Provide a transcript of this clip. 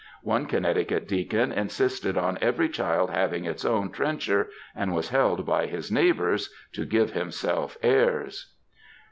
One Connecticut deacon insisted on every child having its own trencher, and was held by his neighbours to give himself airs.